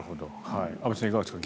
安部さん、いかがですか。